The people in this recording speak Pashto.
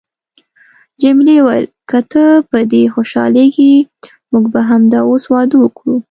جميلې وويل: که ته په دې خوشحالیږې، موږ به همدا اوس واده وکړو.